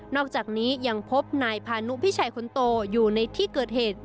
อกจากนี้ยังพบนายพานุพี่ชายคนโตอยู่ในที่เกิดเหตุ